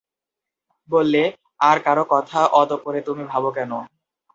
বললে, আর-কারো কথা অত করে তুমি ভাব কেন।